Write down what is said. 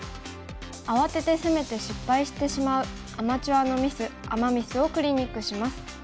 慌てて攻めて失敗してしまうアマチュアのミスアマ・ミスをクリニックします。